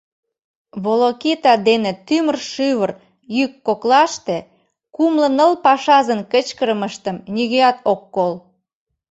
Волокита дене тӱмыр-шӱвыр йӱк коклаште кумло ныл пашазын кычкырымыштым нигӧат ок кол.